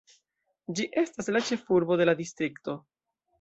Ĝi estas la ĉefurbo de la distrikto.